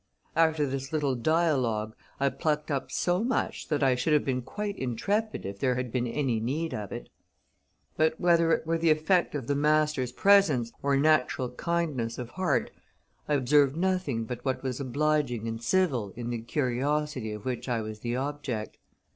After this little dialogue, I plucked up so much, that I should have been quite intrepid if there had been any need of it. But, whether it were the effect of the master's presence or natural kindness of heart, I observed nothing but what was obliging and civil in the curiosity of which I was the object.